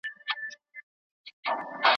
زکات د ټولني اقتصادي ستونزه حلوي.